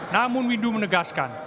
namun windu menegaskan